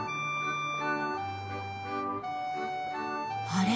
あれ？